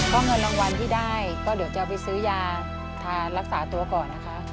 ก็เงินรางวัลที่ได้ก็เดี๋ยวจะเอาไปซื้อยาทานรักษาตัวก่อนนะคะ